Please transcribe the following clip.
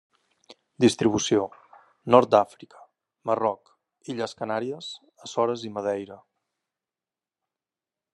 Distribució: nord d'Àfrica, Marroc, illes Canàries, Açores i Madeira.